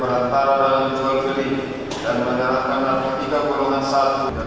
berlakukan dari tega burung nisa